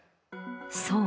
そう。